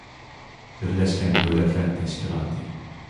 بىرلەشكەن دۆلەتلەر تەشكىلاتى